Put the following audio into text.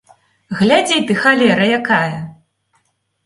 Глядзі ты, халера якая!